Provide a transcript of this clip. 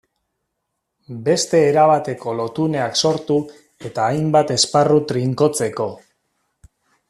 Beste erabateko lotuneak sortu eta hainbat esparru trinkotzeko.